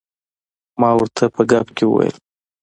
ما ورته په ګپ کې وویل.